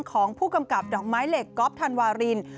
ของผู้กำกับดอกไม้เหล็กก๊อฟธันวาริน